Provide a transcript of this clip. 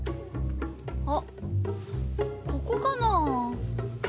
あっここかなぁ？